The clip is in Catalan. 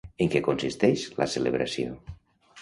En què consisteix la celebració?